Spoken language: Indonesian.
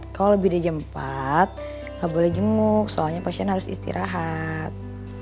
kalau lebih dari jam empat nggak boleh jemuk soalnya pasien harus istirahat